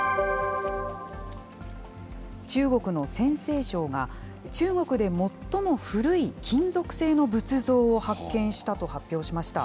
中国の陝西省が、中国で最も古い金属製の仏像を発見したと発表しました。